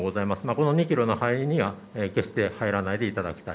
この２キロの範囲には、決して入らないでいただきたい。